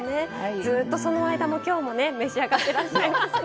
ずっと、その間も今日も召し上がっていらっしゃいますね。